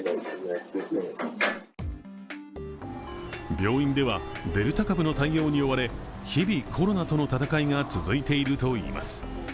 病院ではデルタ株の対応に追われ、日々、コロナとの戦いが続いているといいます。